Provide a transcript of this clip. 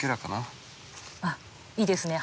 あっいいですね